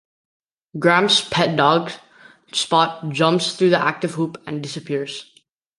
Gramps' pet dog, Spot, jumps through the active hoop and disappears.